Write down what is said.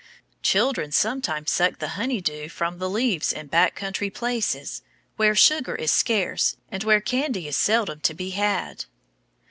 Children sometimes suck the honey dew from the leaves in back country places, where sugar is scarce and where candy is seldom to be had.